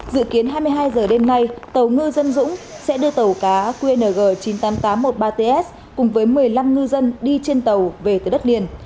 dự kiến hai mươi hai h đêm nay tàu ngư dân dũng sẽ đưa tàu cá qng chín mươi tám nghìn tám trăm một mươi ba ts cùng với một mươi năm ngư dân đi trên tàu về từ đất liền